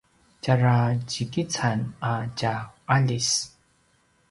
tjara djikican a tja aljis